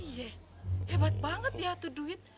iya hebat banget ya tuh duit